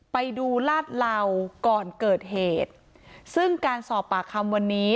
ไปดูลาดเหล่าก่อนเกิดเหตุซึ่งการสอบปากคำวันนี้